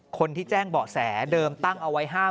คนที่แจ้งเบาะแสเดิมตั้งเอาไว้ห้าม